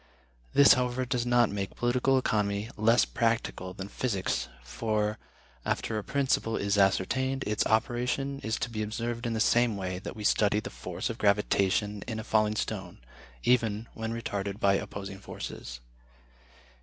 This, however, does not make political economy less practical than physics, for, after a principle is ascertained, its operation is to be observed in the same way that we study the force of gravitation in a falling stone, even when retarded by opposing forces.